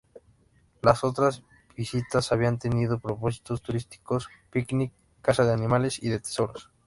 Las otras visitas habían tenido propósitos turísticos, picnic, caza de animales y de tesoros.